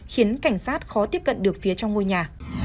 khiến cảnh sát khó tiếp cận được phía trong ngôi nhà